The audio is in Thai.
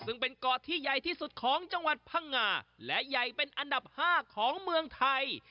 ซึ่งเป็นเกาะที่ใหญ่ที่สุดของจังหวัดพังงาและใหญ่เป็นอันดับ๕ของเมืองไทย